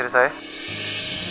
terima kasih pak